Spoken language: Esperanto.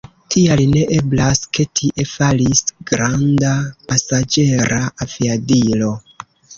Tial ne eblas, ke tie falis granda pasaĝera aviadilo.